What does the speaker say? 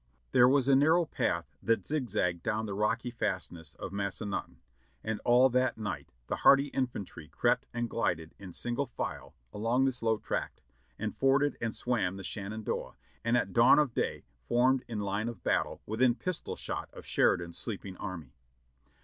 There was a narrow path that zigzagged down the rocky fast ness of Massanutten. and all that night the hardy infantry crept and glided in single file along this low tract, and forded and swam the Shenandoah, and at dawn of day formed in line of battle within pistol shot of Sheridan's sleeping army.